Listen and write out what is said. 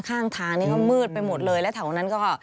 ข้างทางนี้ก็มืดไปหมดเลยแล้วแถวนั้นก็